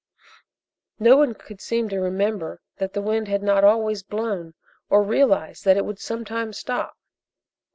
No one could seem to remember that the wind had not always blown, or realize that it would sometime stop.